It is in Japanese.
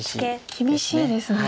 厳しいですね。